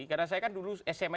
karena saya kan dulu sma